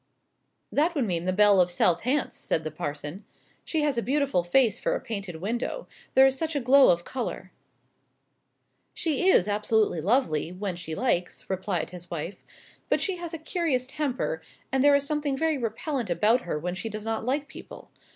"That would mean the belle of South Hants," said the parson. "She has a beautiful face for a painted window there is such a glow of colour." "She is absolutely lovely, when she likes," replied his wife; "but she has a curious temper; and there is something very repellent about her when she does not like people.